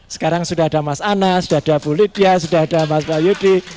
sekarang sudah ada mas anas sudah ada bu lidya sudah ada mas wahyudi